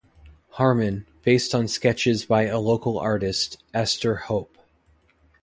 Harman, based on sketches by a local artist, Esther Hope.